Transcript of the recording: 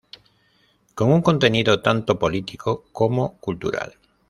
Con un contenido tanto político como cultural.